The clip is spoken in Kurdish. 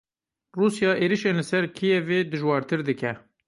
Rûsya êrişên li ser Kîevê dijwartir dike.